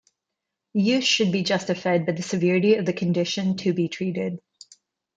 Use should be justified by the severity of the condition to be treated.